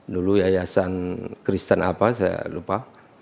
dulu yayasan kristen apa saya lupa